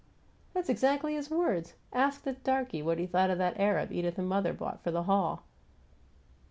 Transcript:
That's exactly his words! Asked the darky what he thought of that Arab Edith and mother bought for the hall!"